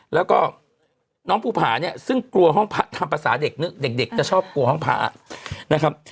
แล้วก็น้องภูผาเนี่ยซึ่งกลัวห้องพระทำภาษาเด็กนึกเด็กจะชอบกลัวห้องพระนะครับ